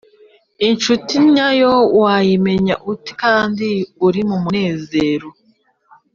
Incuti nyayo wayimenya ute kandi uri mu munezero?